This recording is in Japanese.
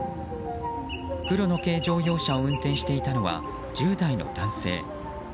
黒の軽乗用車を運転していたのは１０代の男性。